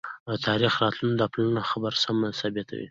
او تاريخ راته د اپلاتون خبره سمه ثابته وي،